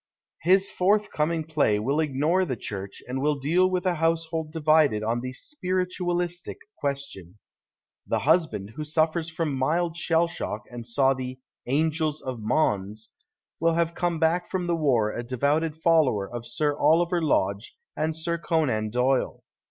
His forthcoming play will ignore the Church and will deal witii a household divided on the " spiritualistic " question. The husband, who suffers from mild shell shock and saw the " angels of Mons," will have come back from the war a devoted follower of Sir Oliver Lodge and Sir Conan Doyle.